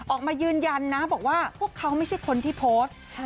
ออกมายืนยันนะบอกว่าพวกเขาไม่ใช่คนที่โพสต์